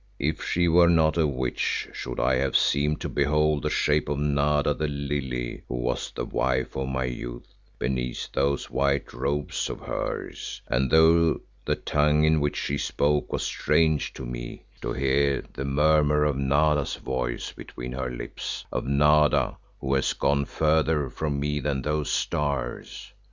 If she were not a witch, should I have seemed to behold the shape of Nada the Lily who was the wife of my youth, beneath those white robes of hers, and though the tongue in which she spoke was strange to me, to hear the murmur of Nada's voice between her lips, of Nada who has gone further from me than those stars.